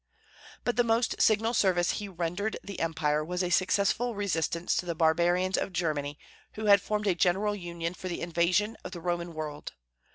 But the most signal service he rendered the Empire was a successful resistance to the barbarians of Germany, who had formed a general union for the invasion of the Roman world.